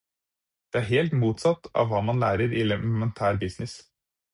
Det er helt motsatt av hva man lærer i elementær business.